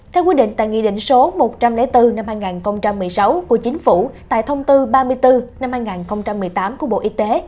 theo quy định tại nghị định số một trăm linh bốn năm hai nghìn một mươi sáu của chính phủ tại thông tư ba mươi bốn năm hai nghìn một mươi tám của bộ y tế